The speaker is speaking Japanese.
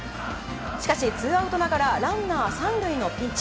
しかし、ツーアウトながらランナー３塁のピンチ。